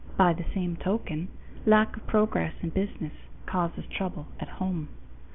By the same token, lack of progress in business causes trouble at home.